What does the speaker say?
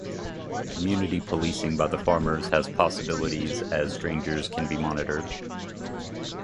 Community policing by the farmers has possibilities as strangers can be monitored.